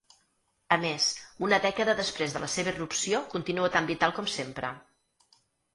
A més, una dècada després de la seva irrupció continua tan vital com sempre.